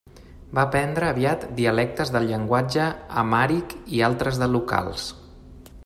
Va aprendre aviat dialectes del llenguatge amhàric i altres de locals.